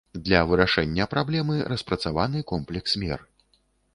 Для вырашэння праблемы распрацаваны комплекс мер.